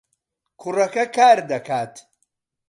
کوڕەکە کار دەکات.